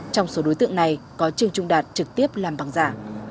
trong số đối tượng này có trương trung đạt trực tiếp làm bằng giả